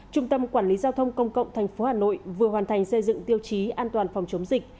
trung tâm quản lý giao thông công cộng tp hà nội vừa hoàn thành xây dựng tiêu chí an toàn phòng chống dịch